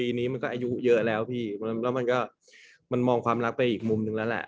นี้มันก็อายุเยอะแล้วพี่แล้วมันก็มันมองความรักไปอีกมุมนึงแล้วแหละ